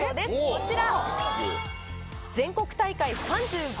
こちら。